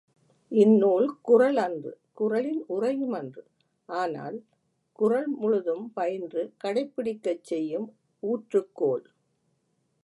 இந் நூல் குறள் அன்று குறளின் உரையும் அன்று ஆனால், குறள் முழுதும் பயின்று கடைப்பிடிக்கச் செய்யும் ஊற்றுக்கோல்!